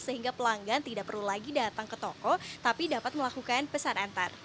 sehingga pelanggan tidak perlu lagi datang ke toko tapi dapat melakukan pesan antar